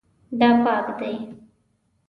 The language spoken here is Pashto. دا پاک دی